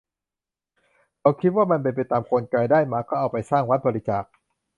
เขาคิดว่ามันเป็นไปตามกลไก ได้มาก็เอาไปสร้างวัด บริจาค